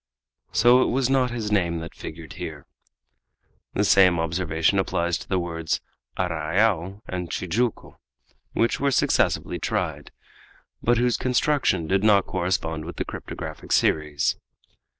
So it was not his name that figured here. The same observation applies to the words arrayal and Tijuco, which were successively tried, but whose construction did not correspond with the cryptographic series.